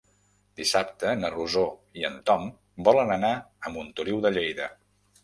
Dissabte na Rosó i en Tom volen anar a Montoliu de Lleida.